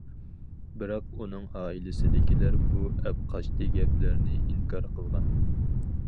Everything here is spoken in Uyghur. بىراق، ئۇنىڭ ئائىلىسىدىكىلەر بۇ ئەپقاچتى گەپلەرنى ئىنكار قىلغان.